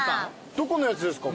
どこのやつですか？